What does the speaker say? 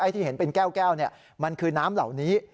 ที่เห็นเป็นแก้วมันคือน้ำเหล่านี้